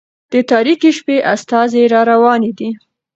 د تاريكي شپې استازى را روان دى